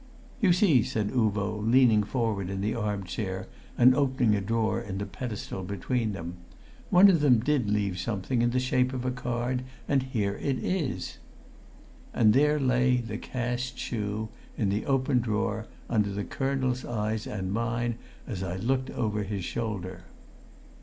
"You see," said Uvo, leaning forward in the arm chair and opening a drawer in the pedestal between them, "one of them did leave something in the shape of a card, and here it is." And there lay the cast shoe, in the open drawer, under the colonel's eyes and mine as I looked over his shoulder.